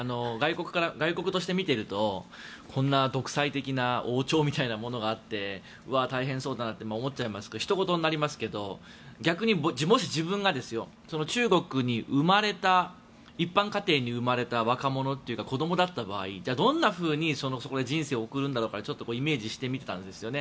外国として見ているとこんな独裁的な王朝みたいなものがあってわあ、大変そうだなって思っちゃいますがひと事になりますけど逆にもし自分が中国に生まれた一般家庭に生まれた子どもだった場合じゃあ、どんなふうにそこで人生を送るんだろうかってイメージしてみていたんですね。